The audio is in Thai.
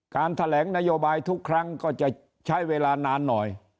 แถลงนโยบายทุกครั้งก็จะใช้เวลานานหน่อย